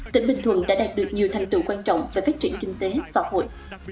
tỉnh bình thuận đã đạt được nhiều thành tựu quan trọng về phát triển kinh tế xã hội